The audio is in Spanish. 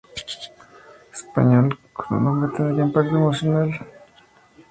En español, su nombre tendría el impacto emocional de algo como "Elvira Pagana".